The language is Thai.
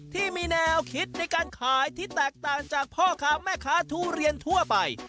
ที่มีแนวคิดในการขายที่แตกต่างจากพ่อค้าแม่ค้าทุเรียนทั่วไป